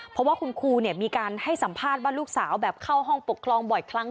เพราะว่าคุณครูมีการให้สัมภาษณ์ว่าลูกสาวแบบเข้าห้องปกครองบ่อยครั้ง